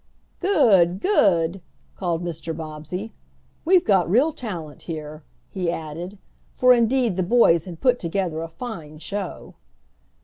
"Good! good!" called Mr. Bobbsey. "We've got real talent here," he added, for indeed the boys had put together a fine show.